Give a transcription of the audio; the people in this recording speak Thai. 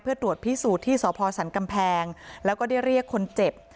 เพื่อตรวจพิสูจน์ที่สพสันกำแพงแล้วก็ได้เรียกคนเจ็บ